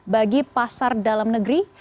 bagi pasar dalam negeri